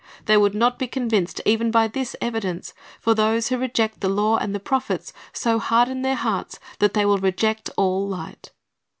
They would not be convinced e\en by this evidence; for those who reject the law and the prophets so harden their hearts that they will reject all light.